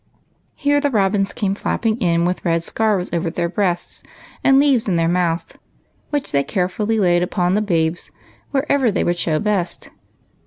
Here the robins came flapj^ing in with red scarfs over their breasts and leaves in their mouths, which they carefully laid upon the babes wherever they would show best.